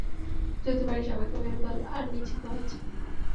যদি পারিস আমাকে মেরে ফেল, আর নিজেকে বাঁচা।